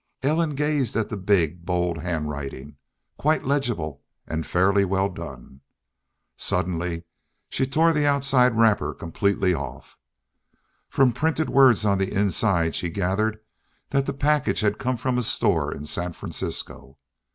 Ellen gazed at the big, bold hand writing, quite legible and fairly well done. Suddenly she tore the outside wrapper completely off. From printed words on the inside she gathered that the package had come from a store in San Francisco.